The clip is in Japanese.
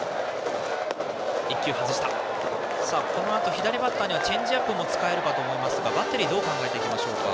左バッターにはチェンジアップも使えるかと思いますがバッテリーどう考えていきますか。